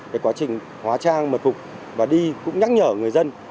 cái quá trình hóa trang mật phục và đi cũng nhắc nhở người dân